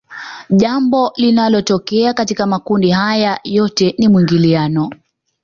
Jambo linalotokea katika makundi haya yote ni mwingiliano